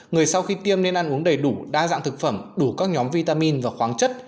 người sau khi tiêm nên ăn uống đầy đủ đa dạng thực phẩm đủ các nhóm vitamin và khoáng chất